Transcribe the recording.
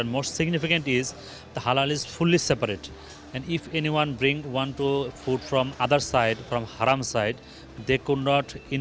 mereka tidak bisa berada di sini jadi ini berbeda sistem makanan sangat baik